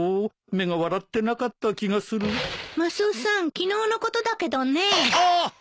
昨日のことだけどね。